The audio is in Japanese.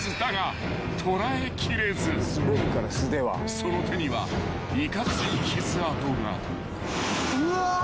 ［その手にはいかつい傷痕が］うわ。